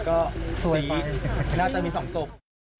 ก็สวยไปแล้วถ้าจะมีส่องโทร